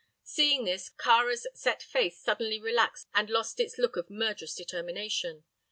Seeing this, Kāra's set face suddenly relaxed and lost its look of murderous determination.